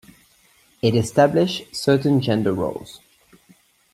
It established certain gender roles.